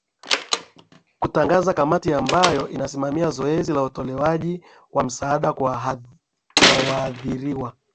kutangaza kamati ambayo itasimamia zoezi la utolewaji wa msaada kwa waadhiriwa